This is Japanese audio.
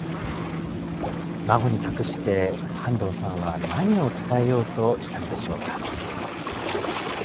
孫に託して、半藤さんは何を伝えようとしたのでしょうか。